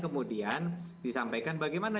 kemudian disampaikan bagaimana